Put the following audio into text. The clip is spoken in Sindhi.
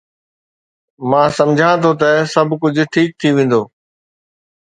مان سمجهان ٿو ته سڀ ڪجهه ٺيڪ ٿي ويندو